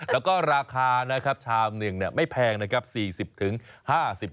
แล้วก็ราคานะครับชามหนึ่งไม่แพงนะครับ